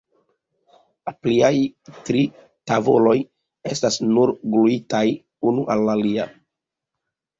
La pliaj tri tavoloj estas nur gluitaj unu al la alia.